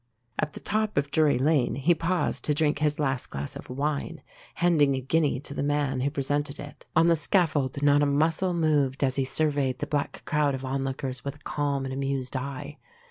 At the top of Drury Lane he paused to drink his last glass of wine, handing a guinea to the man who presented it. On the scaffold not a muscle moved as he surveyed the black crowd of onlookers with a calm and amused eye.